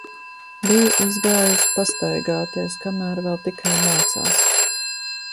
Biju izgājusi pastaigāties, kamēr vēl tikai mācās.